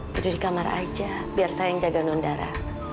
duduk di kamar aja biar saya yang jaga nondara